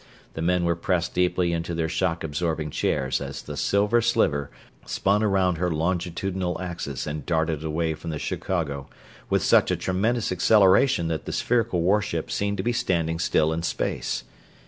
The men were pressed deeply into their shock absorbing chairs as the Silver Sliver spun around her longitudinal axis and darted away from the Chicago with such a tremendous acceleration that the spherical warship seemed to be standing still in space.